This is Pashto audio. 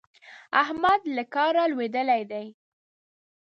احمد له کاره لوېدلی دی.